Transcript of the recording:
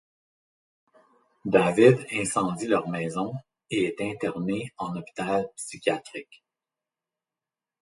David incendie leur maison et est interné en hôpital psychiatrique.